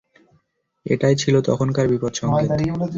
এটাই ছিল তখনকার বিপদ সংকেত।